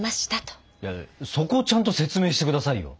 いやそこをちゃんと説明して下さいよ。